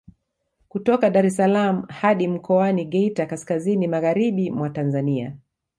Kutoka Daressalaam hadi mkoani Geita kaskazini magharibi mwa Tanzania